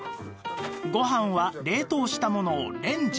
ご飯は冷凍したものをレンジでチン